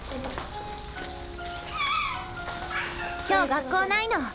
今日学校ないの。